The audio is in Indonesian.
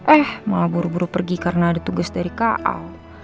eh malah buru buru pergi karena ada tugas dari kaal